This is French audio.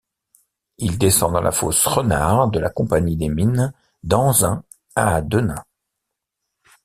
Il descend dans la fosse Renard de la Compagnie des mines d'Anzin à Denain.